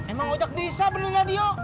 emang ojak bisa benerin radio